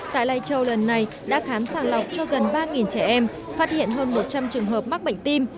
tại lai châu lần này đã khám sàng lọc cho gần ba trẻ em phát hiện hơn một trăm linh trường hợp mắc bệnh tim